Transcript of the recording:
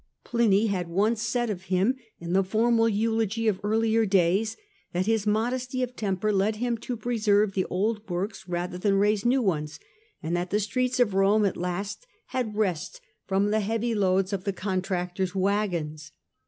Pliny had once said of him, in the formal eulogy of earlier days, that his modesty of temper led him to preserve the old works rather than raise new ones, and that the streets of Rome at last had rest from the heavy loads of the contractors waggons.